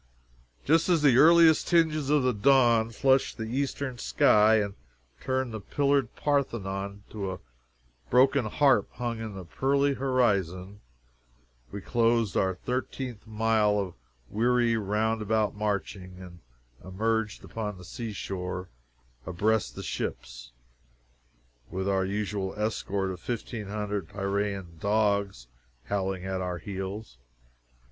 Just as the earliest tinges of the dawn flushed the eastern sky and turned the pillared Parthenon to a broken harp hung in the pearly horizon, we closed our thirteenth mile of weary, round about marching, and emerged upon the sea shore abreast the ships, with our usual escort of fifteen hundred Piraean dogs howling at our heels.